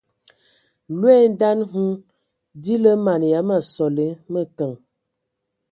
Loe daan hm di lǝ mana ya ma sole mǝkǝŋ.